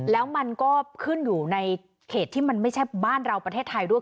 แล้วมันก็ขึ้นอยู่ในเขตที่มันไม่ใช่บ้านเราประเทศไทยด้วย